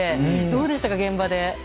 どうでしたか、現場で。